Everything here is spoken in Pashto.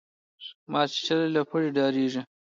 ـ مارچيچلى له پړي ډاريږي.